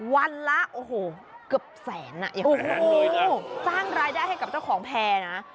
วันละเกือบแสนจ้างรายได้ให้กับเจ้าของแพร่นะ